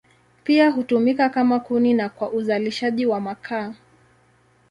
Pia hutumika kama kuni na kwa uzalishaji wa makaa.